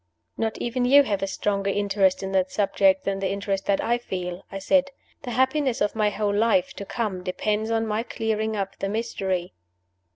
"Not even you have a stronger interest in that subject than the interest that I feel," I said. "The happiness of my whole life to come depends on my clearing up the mystery."